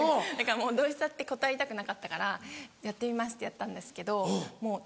だからもうどうしたって断りたくなかったから「やってみます」ってやったんですけど。